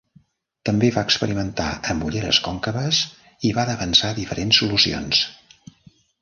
També va experimentar amb ulleres còncaves i va defensar diferents solucions.